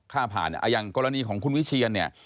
ค่าผ่านอย่างกรณีของคุณวิเชียร์